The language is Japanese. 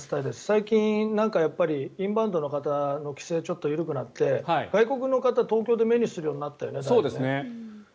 最近、インバウンドの方の規制がちょっと緩くなって外国の方を東京でだいぶ目にするようになったよね。